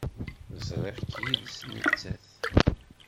Ẓriɣ-k yid-s nettat.